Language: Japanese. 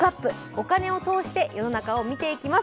お金を通して世の中を見ていきます。